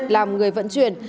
làm người vận chuyển